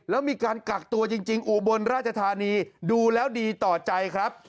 แล้วมีการกักตัวจริงอุบลราชธานีดูแล้วดีต่อใจครับ